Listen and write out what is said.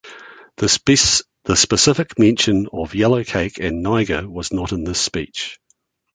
The specific mention of yellowcake and Niger was not in this speech.